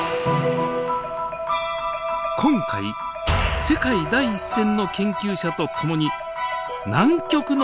今回世界第一線の研究者と共に南極の深海に挑みます。